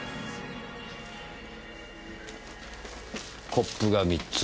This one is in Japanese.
コップが３つ。